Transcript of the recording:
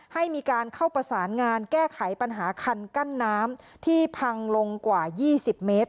ให้มีการเข้าประสานงานแก้ไขปัญหาคันกั้นน้ำที่พังลงกว่า๒๐เมตร